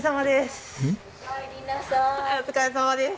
お疲れさまです。